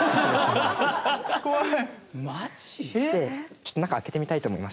ちょっと中開けてみたいと思います。